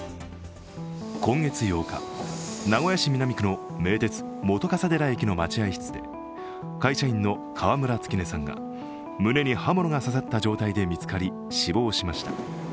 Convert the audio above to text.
今月８日、名古屋市南区の名鉄・本笠寺駅の待合室で会社員の川村月音さんが胸に刃物が刺さった状態で見つかり、死亡しました。